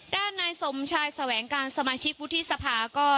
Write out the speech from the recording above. ด้านนายสมชายแสวงการสมาชิกวลิทธิสภาพุทธไม่พูดถึงนี้